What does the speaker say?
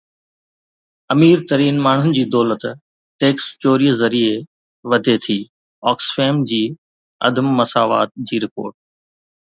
امير ترين ماڻهن جي دولت ٽيڪس چوري ذريعي وڌي ٿي، آڪسفيم جي عدم مساوات جي رپورٽ